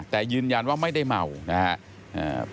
แต่ยืนยันว่าไม่ได้เมานะครับ